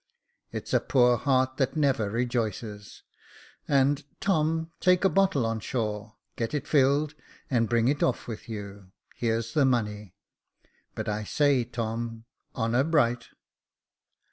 It's a poor heart that never rejoices ; and, Tom, take a bottle on shore, get it filled, and bring it off with you. Here's the money. But I say, Tom, honour bright."